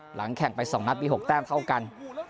หลังแข่งไป๒นัดมี๖แต้มเท่ากัน